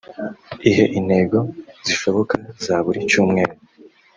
ihe intego zishoboka za buri cyumeru